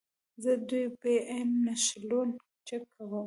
زه د وي پي این نښلون چک کوم.